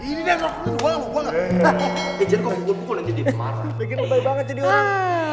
ya gini lebih baik banget jadi orang